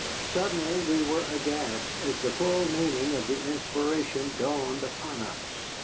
Suddenly we were aghast as the full meaning of the inspiration dawned upon us.